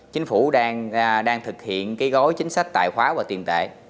chính phủ đang thực hiện gói chính sách tài khoá và tiền tệ